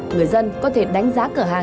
người dân có thể đánh giá cửa hàng